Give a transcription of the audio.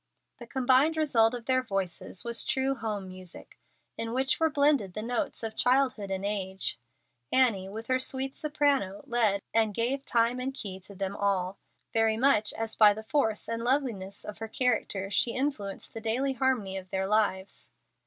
The combined result of their voices was true home music, in which were blended the tones of childhood and age. Annie, with her sweet soprano, led, and gave time and key to them all, very much as by the force and loveliness of her character she influenced the daily harmony of their lives.